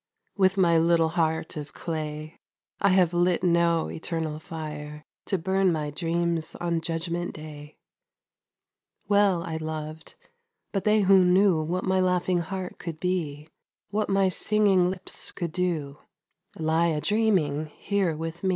With my little heart of clay I have lit no eternal fire To burn my dreams on Judgment Day ! Well I loved, but they who knew What my laughing heart could be, What my singing lips could do, Lie a dreaming here with me.